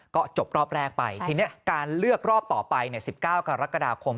ก็จบรอบแรกไปทีนี้การเลือกรอบต่อไป๑๙กรกฎาคม